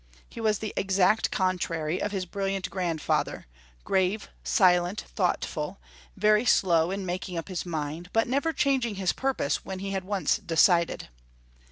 He was the exact contrary of his brilliant grandfather, grave, silent, thoughtful, very slow in making up his mind, but never changing his purpose when he had once de cided.